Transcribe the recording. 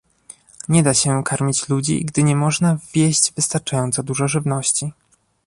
Nie da się karmić ludzi, gdy nie można wwieźć wystarczająco dużo żywności